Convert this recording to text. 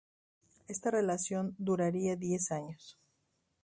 Esta relación duraría diez años.